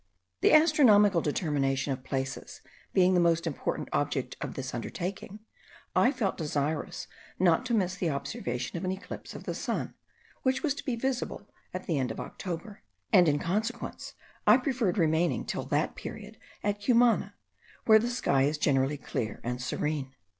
The astronomical determination of places being the most important object of this undertaking, I felt desirous not to miss the observation of an eclipse of the sun, which was to be visible at the end of October: and in consequence I preferred remaining till that period at Cumana, where the sky is generally clear and serene.